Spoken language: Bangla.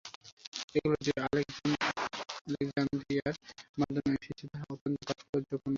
এগুলি যে আলেক-জান্দ্রিয়ার মাধ্যমে আসিয়াছে, তাহা অত্যন্ত তাৎপর্যপূর্ণ।